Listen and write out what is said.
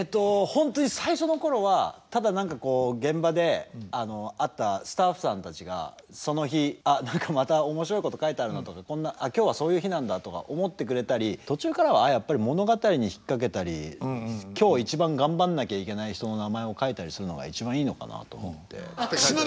本当に最初の頃はただ何かこう現場で会ったスタッフさんたちがその日「あっ何かまた面白いこと書いてあるな」とか「今日はそういう日なんだ」とか思ってくれたり途中からはやっぱり物語に引っ掛けたり今日一番頑張んなきゃいけない人の名前を書いたりするのが一番いいのかなと思って。